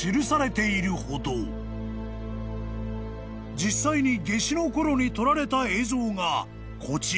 ［実際に夏至のころに撮られた映像がこちら］